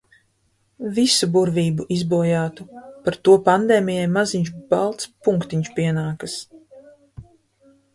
Visu burvību izbojātu. Par to pandēmijai maziņš balts punktiņš pienākas.